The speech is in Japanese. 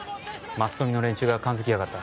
マスコミの連中が感づきやがった。